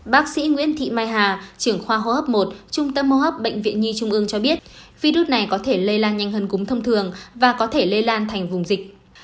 bác sĩ nguyễn thị mai hà trưởng khoa hô hấp một trung tâm hô hấp bệnh viện nhi trung ương cho biết virus này có thể lây lan nhanh hơn cúm thông thường và có thể lây lan thành vùng dịch